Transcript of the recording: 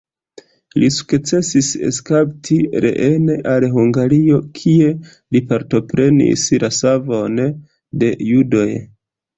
Li sukcesis eskapi reen al Hungario kie li partoprenis la savon de judoj.